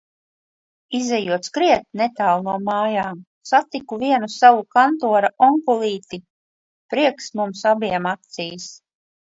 Izejot skriet, netālu no mājām, satiku vienu savu kantora onkulīti. Prieks mums abiem acīs.